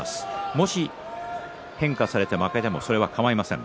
もし変化されて負けてもそれでかまいません。